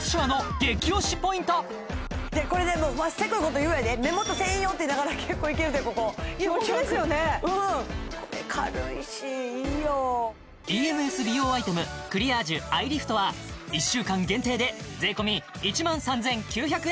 これねセコイこと言うようやで目元専用っていいながら結構いけるでここ気持ちよくホントですよねこれ軽いしいいよＥＭＳ美容アイテムクリアージュアイリフトは１週間限定で税込１万３９００円